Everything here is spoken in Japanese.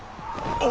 あっ！